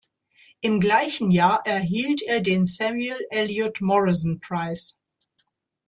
Im gleichen Jahr erhielt er den Samuel Eliot Morison Prize.